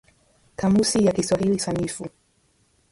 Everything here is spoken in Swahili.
Kamusi ya Kiswahili Sanifu